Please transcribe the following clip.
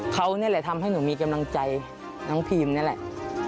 เขานี่แหละทำให้หนูมีกำลังใจน้องพีมนี่แหละ